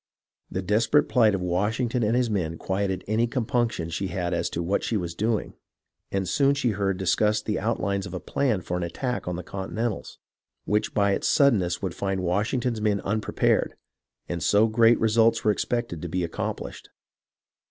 The desperate plight of Wash y BRANDYWINE AND GERMANTOWN 221 ington and his men quieted any compunctions she had as to what she was doing, and soon she heard discussed the outlines of a plan for an attack on the Continentals, which by its suddenness would find Washington's men unprepared ; and so great results were expected to be accomplished.